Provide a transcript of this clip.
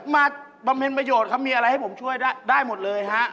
มาประเภทประโยชน์ครับมีอะไรให้ผมช่วยได้หมดเลยครับ